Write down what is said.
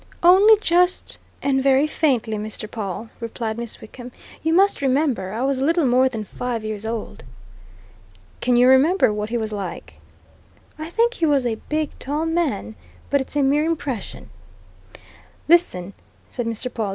"Only just and very faintly, Mr. Pawle," replied Miss Wickham. "You must remember I was little more than five years old." "Can you remember what he was like?" "I think he was a big, tall man but it's a mere impression." "Listen!" said Mr. Pawle.